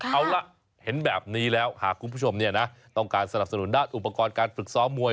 เอาล่ะเห็นแบบนี้แล้วหากคุณผู้ชมเนี่ยนะต้องการสนับสนุนด้านอุปกรณ์การฝึกซ้อมมวย